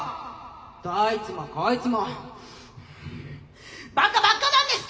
どいつもこいつもバカばっかなんですか！？